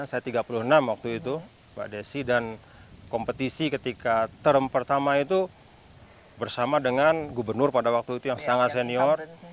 saya tiga puluh enam waktu itu mbak desi dan kompetisi ketika term pertama itu bersama dengan gubernur pada waktu itu yang sangat senior